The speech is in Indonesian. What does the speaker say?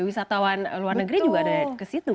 wisatawan luar negeri juga ada kesitu kan